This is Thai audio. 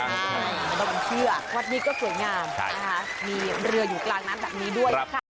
มันต้องเชื่อวันนี้ก็สวยงามมีเรืออยู่กลางนั้นแบบนี้ด้วย